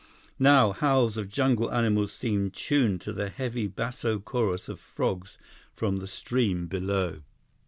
Now, howls of jungle animals seemed tuned to the heavy basso chorus of frogs from the stream below.